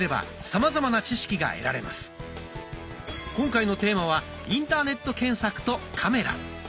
今回のテーマは「インターネット検索とカメラ」。